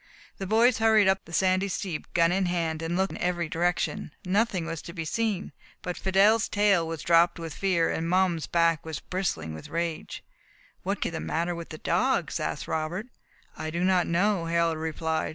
The boys hurried up the sandy steep, gun in hand, and looked in every direction. Nothing was to be seen, but Fidelle's tail was dropped with fear, and Mum's back was bristling with rage. "What can be the matter with the dogs?" asked Robert. "I do not know," Harold replied.